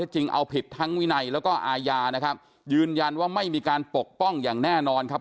จริงเอาผิดทั้งวินัยแล้วก็อาญานะครับยืนยันว่าไม่มีการปกป้องอย่างแน่นอนครับ